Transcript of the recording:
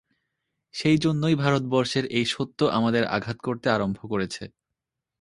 সেইজন্যই ভারতবর্ষের এই সত্য আমাদের আঘাত করতে আরম্ভ করেছে।